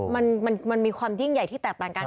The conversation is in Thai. มันมีความยิ่งใหญ่ที่แตกต่างกัน